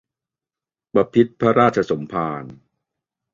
บพิตรพระราชสมภาร